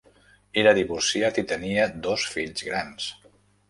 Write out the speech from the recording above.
Era divorciat i tenia dos fills grans.